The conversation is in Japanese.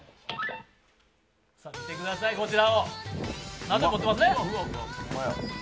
見てください、こちら。